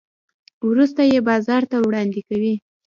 وروسته یې بازار ته وړاندې کوي.